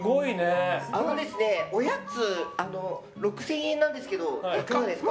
おやつ６０００円なんですけどいかがですか？